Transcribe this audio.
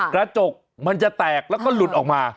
กระจกมันจะแตกแล้วก็หลุดออกมา